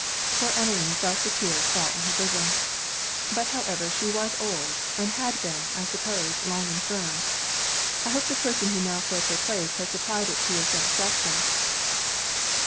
Poor Emmeline felt the tears fall on her bosom. 'But however she was old; and had been, I suppose, long infirm. I hope the person who now fills her place has supplied it to your satisfaction?'